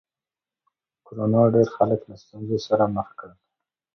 کرونا ډېر خلک له ستونزو سره مخ کړل.